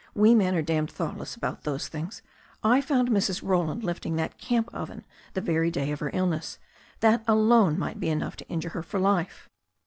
We men are damned thoughtless about those things. I found Mrs. Roland lifting that camp oven the very day of her illness. That alone might be enough to injure her for life."